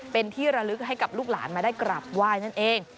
เป็นที่ระลึกให้กับลูกหลานมาได้กราบไหว้นั่นเอง